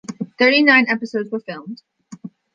Thirty-nine episodes were filmed.